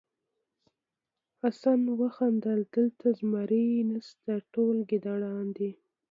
حسن وخندل دلته زمری نشته ټول ګیدړان دي.